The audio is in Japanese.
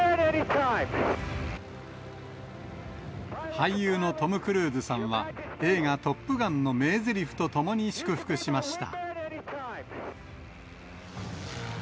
俳優のトム・クルーズさんは、映画、トップガンの名ぜりふとともに祝福しました。